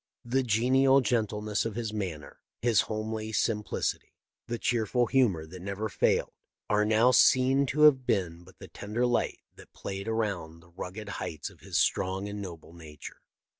The genial gentleness of his manner, his homely simplic ity, the cheerful humor that never failed, are now seen to have been but the tender light that played 5/2 THE LIFE OF LINCOLN. around the rugged heights of his strong and noble nature.